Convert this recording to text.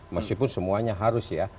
meskipun semuanya harus ya